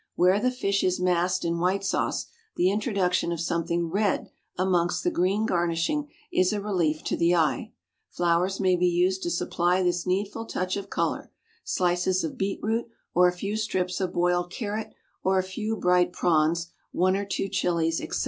Where the fish is masked in white sauce, the introduction of something red amongst the green garnishing is a relief to the eye. Flowers may be used to supply this needful touch of colour, slices of beetroot, or a few strips of boiled carrot, or a few bright prawns, one or two chilies, &c.